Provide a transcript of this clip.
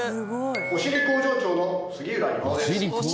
お尻工場長の杉浦です。